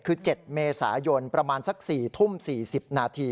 คือ๗เมษายนประมาณสัก๔ทุ่ม๔๐นาที